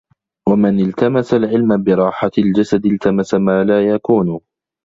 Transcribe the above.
وَمَنْ الْتَمَسَ الْعِلْمَ بِرَاحَةِ الْجَسَدِ الْتَمَسَ مَا لَا يَكُونُ